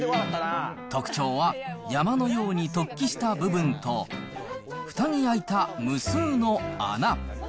特徴は山のように突起した部分と、ふたに開いた無数の穴。